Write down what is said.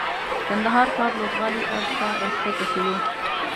کندهار ښار لوبغالي اړخ ته راکښته سولو.